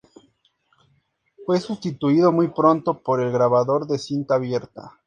Fue sustituido muy pronto por el grabador de cinta abierta.